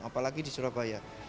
apalagi di surabaya